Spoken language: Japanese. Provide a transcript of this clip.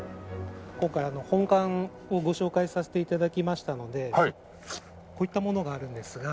今回本館をご紹介させて頂きましたのでこういったものがあるんですが。